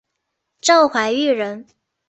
赵怀玉人。